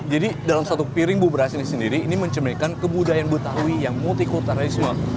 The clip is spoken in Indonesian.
jadi dalam satu piring bubur ase ini sendiri ini mencemehkan kebudayaan betawi yang multi kulturnya semua